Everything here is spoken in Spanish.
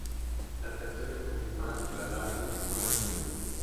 Las canciones confirmadas para el álbum son las siguientes.